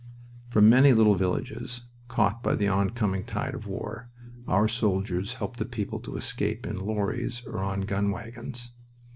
From many little villages caught by the oncoming tide of war our soldiers helped the people to escape in lorries or on gun wagons.